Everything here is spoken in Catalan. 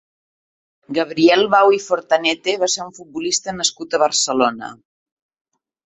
Gabriel Bau i Fortanete va ser un futbolista nascut a Barcelona.